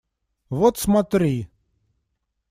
Вот смотри!